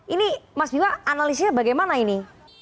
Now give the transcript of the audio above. ini mas bima analisnya bagaimana ini